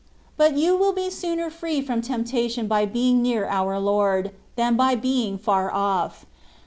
But you will be sooner free from temptation by being near our Lord, than by being far off.